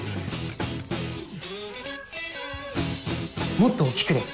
もっと大っきくです。